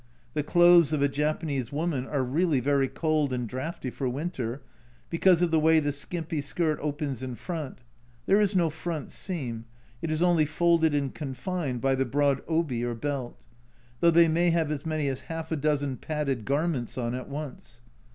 The clothes of a Japanese woman are really very cold and draughty for winter, because of the way the skimpy skirt opens in front (there is no front seam, it is only folded and confined by the broad obi or belt), though they may have as many as half a dozen padded garments on at once.